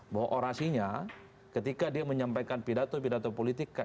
bahwa orasinya ketika dia menyampaikan pidato pidato politik